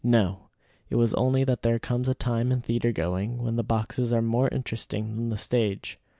No; it was only that there comes a time in theatre going when the boxes are more interesting than the stage.